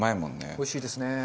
おいしいですね。